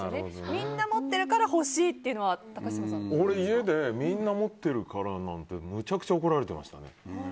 みんな持ってるから欲しいっていうのは俺は家でみんな持ってるからなんてむちゃくちゃ怒られてましたね。